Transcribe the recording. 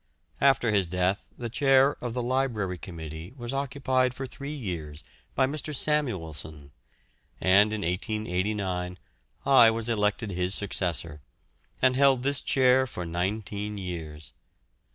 After his death the chair of the Library Committee was occupied for three years by Mr. Samuelson, and in 1889 I was elected his successor, and held this chair for nineteen years.